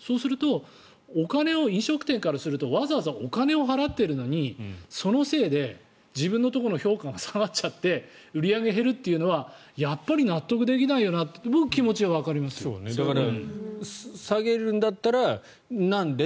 そうすると、飲食店からするとわざわざお金を払っているのにそのせいで自分のところの評価が下がっちゃって売り上げが減るっていうのはやっぱり納得できないよなっていう下げるんだったらなんで？